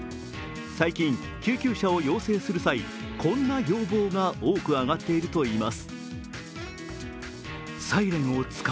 最近、救急車を要請する際、こんな要望が多く上がっているといいます。